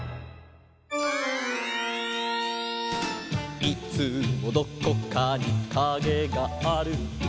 「いつもどこかにカゲがある」